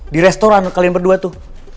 di restoran kalian berdua tuh